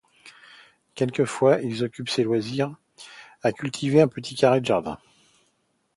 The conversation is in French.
Quelquefois il occupe ses loisirs à cultiver un petit carré de jardin.